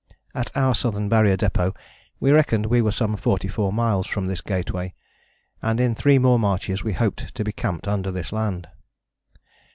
At our Southern Barrier Depôt we reckoned we were some forty four miles from this Gateway and in three more marches we hoped to be camped under this land.